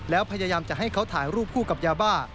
แล้วพยายามจะให้เขาถ่ายรูปคู่กับยาบ้า